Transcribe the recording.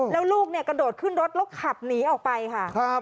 แล้วลูกเนี่ยกระโดดขึ้นรถแล้วขับหนีออกไปค่ะ